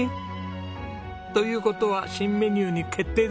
という事は新メニューに決定ですね？